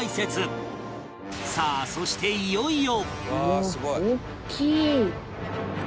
さあそしていよいよ！